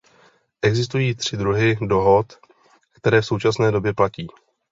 Existují tři druhy dohod, které v současné době platí.